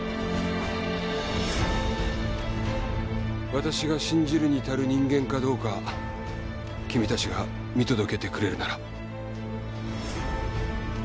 私が信じるに足る人間かどうか君たちが見届けてくれるなら。